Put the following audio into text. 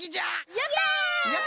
やった！